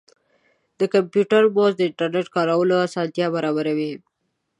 د کمپیوټر ماؤس د انټرنیټ کارولو اسانتیا برابروي.